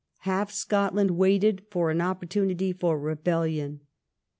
Half Scotland waited for an opportunity for rebellion.